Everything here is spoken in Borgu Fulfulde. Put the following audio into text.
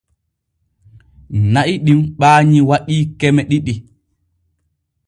Na'i ɗim ɓaanyi waɗii keme ɗiɗi.